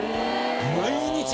毎日！